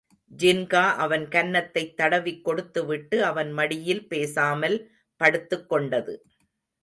ஜின்கா அவன் கன்னத்தைத் தடவிக் கொடுத்து விட்டு, அவன் மடியில் பேசாமல் படுத்துக்கொண்டது.